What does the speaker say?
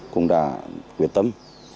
cũng đã quyết tâm